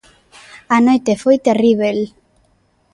A noite foi terríbel.